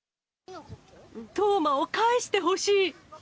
冬生を返してほしい。